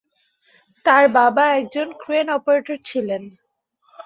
তার বাবা একজন ক্রেন অপারেটর ছিলেন।